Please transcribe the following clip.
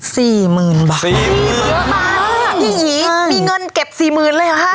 สี่หมื่นบาทสี่หมื่นเยอะมากพี่หยีมีเงินเก็บสี่หมื่นเลยเหรอฮะ